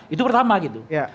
itu pertama gitu